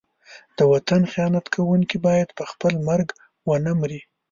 د وطن خیانت کوونکی باید په خپل مرګ ونه مري.